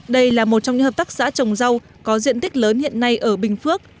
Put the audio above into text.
đây là một trong những hợp tác xã trồng rau có diện tích lớn hiện nay ở bình phước